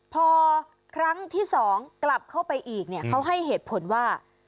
พอครั้งที่๒กลับเข้าไปอีกเนี่ยเขาให้เหตุผลว่า